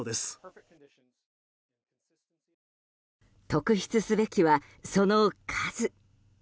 特筆すべきは、その数。